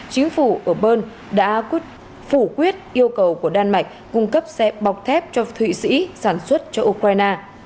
chính phủ ở bern đã phủ quyết yêu cầu của đan mạch cung cấp xe bọc thép cho thụy sĩ sản xuất cho ukraine